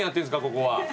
ここは。